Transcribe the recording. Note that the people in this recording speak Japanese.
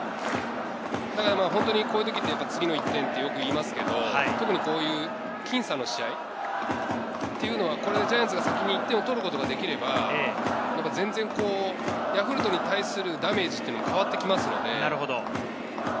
だから、こういう時って次の１点ってよく言いますけど、特にこういう僅差の試合というのはジャイアンツが先に１点を取ることができれば、全然、ヤクルトに対するダメージというのが変わってきますので。